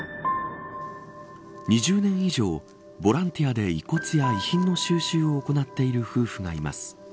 ２０年以上ボランティアで遺骨や遺品の収集を行っている夫婦がいます。